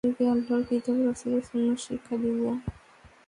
তাদেরকে আল্লাহর কিতাব ও রাসূলের সুন্নাত শিক্ষা দিব।